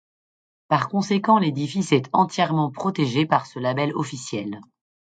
Par conséquent, l'édifice est entièrement protégé par ce label officiel.